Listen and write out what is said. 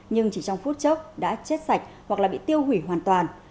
nhưng chỉ trong phút chốc đã chết sạch hoặc là bị tiêu hủy hoàn toàn